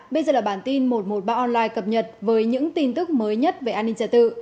bây giờ là bản tin một trăm một mươi ba online cập nhật với những tin tức mới nhất về an ninh trật tự